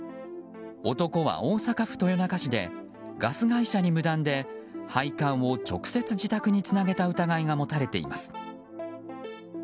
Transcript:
男は大阪府豊中市でガス会社に無断で配管を直接自宅につなげた疑いが持たれています。